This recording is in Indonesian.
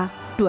di atas tujuan